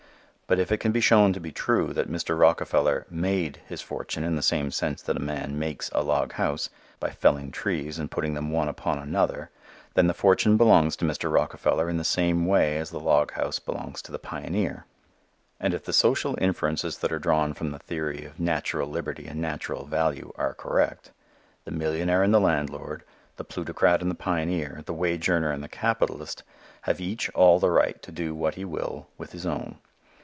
But if it can be shown to be true that Mr. Rockefeller "made" his fortune in the same sense that a man makes a log house by felling trees and putting them one upon another, then the fortune belongs to Mr. Rockefeller in the same way as the log house belongs to the pioneer. And if the social inferences that are drawn from the theory of natural liberty and natural value are correct, the millionaire and the landlord, the plutocrat and the pioneer, the wage earner and the capitalist, have each all the right to do what he will with his own.